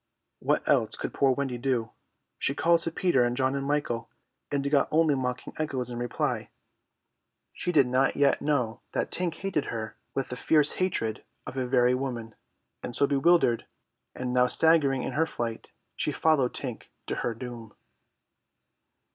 What else could poor Wendy do? She called to Peter and John and Michael, and got only mocking echoes in reply. She did not yet know that Tink hated her with the fierce hatred of a very woman. And so, bewildered, and now staggering in her flight, she followed Tink to her doom.